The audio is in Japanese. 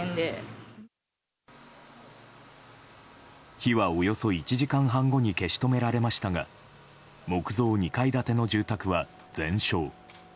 火は、およそ１時間半後に消し止められましたが木造２階建ての住宅は全焼。